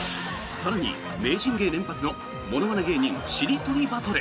更に、名人芸連発のものまね芸人しりとりバトル。